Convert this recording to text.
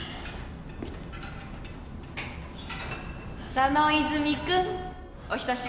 佐野泉君お久しぶり。